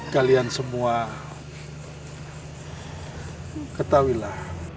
kalian semua ketahui lah